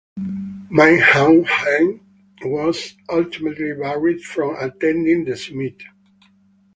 Min Aung Hlaing was ultimately barred from attending the summit.